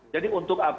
jadi untuk apa